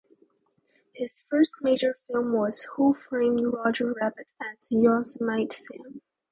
His first major film was "Who Framed Roger Rabbit" as Yosemite Sam.